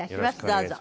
どうぞ。